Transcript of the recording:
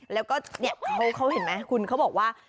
แล้วก็เขาเห็นไหมคุณเขาบอกว่า